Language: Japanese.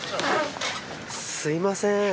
すみません。